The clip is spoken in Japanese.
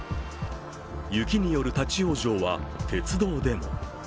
雪による立往生は鉄道でも。